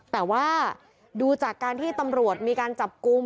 แต่ว่าดูจากการที่ตำรวจมีการจับกลุ่ม